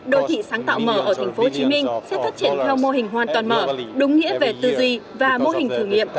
đô thị sáng tạo mở ở tp hcm sẽ phát triển theo mô hình hoàn toàn mở đúng nghĩa về tư duy và mô hình thử nghiệm